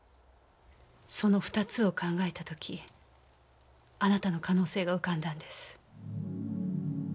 その２つを考えた時あなたの可能性が浮かんだんです。